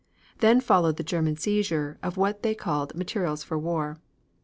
Then followed the German seizure of what they called materials for war.